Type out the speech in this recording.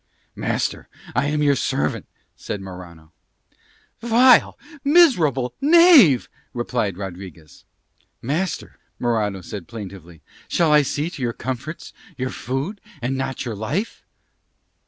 "Master! I am your servant," said Morano. "Vile, miserable knave," replied Rodriguez. "Master," Morano said plaintively, "shall I see to your comforts, your food, and not to your life?"